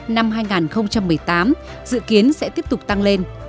năm hai nghìn một mươi tám dự kiến sẽ tiếp tục tăng lên